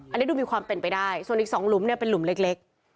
อันนี้ดูมีความเป็นไปได้ส่วนอีก๒หลุมเนี่ยเป็นหลุมเล็ก